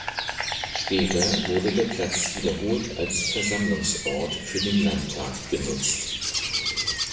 Später wurde der Platz wiederholt als Versammlungsort für den Landtag genutzt.